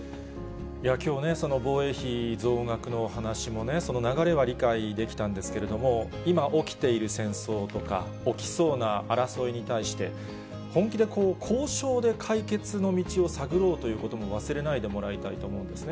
きょうね、防衛費増額の話もね、その流れは理解できたんですけれども、今起きている戦争とか、起きそうな争いに対して、本気で交渉で解決の道を探ろうということも忘れないでもらいたいと思うんですね。